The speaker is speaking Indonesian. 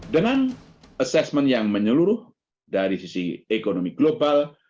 dengan assessment yang menyeluruh dari sisi ekonomi global